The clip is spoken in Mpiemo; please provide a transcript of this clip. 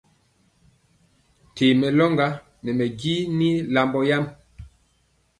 Ntee mɛ loŋga nɛ mɛ jin lambɔ yam.